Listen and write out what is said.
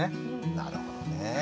なるほどね。